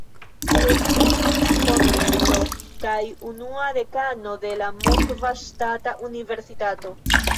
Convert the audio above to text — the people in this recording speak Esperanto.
Li estis fondinto kaj unua dekano de la Moskva Ŝtata Universitato.